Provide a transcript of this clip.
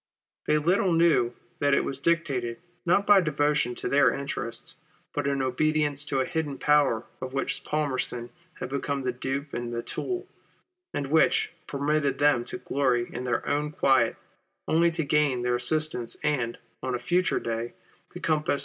They little knew that it was dictated, not by devotion to their interests, but in obedience to a hidden power of which Palmerston had become the dupe and the tool, and which permitted them to glory in their own quiet, only to gain their assistance, and, on a future day, to compass 94 WAR OF ANTICHRIST WITH THE CHURCH.